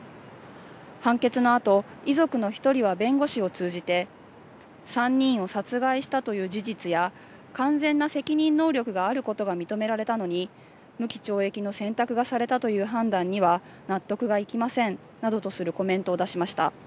判決のあと、遺族の一人は弁護士を通じて、３人を殺害したという事実や、完全な責任能力があることが認められたのに、無期懲役の選択がされたという判断には納得がいきませんなどとするコメントを出しました。